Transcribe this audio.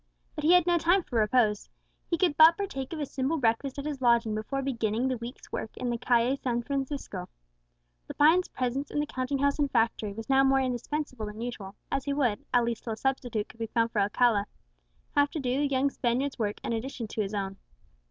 But he had no time for repose. He could but partake of a simple breakfast at his lodging before beginning the week's work in the Calle San Francisco. Lepine's presence in the counting house and factory was now more indispensable than usual, as he would, at least till a substitute could be found for Alcala, have to do the young Spaniard's work in addition to his own.